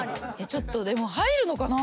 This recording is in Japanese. ちょっとでも入るのかな？